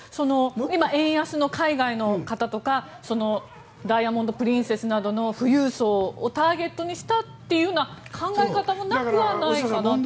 今、円安の海外の方とか「ダイヤモンド・プリンセス」などの富裕層をターゲットにしたという考え方もなくはないと思うんですが。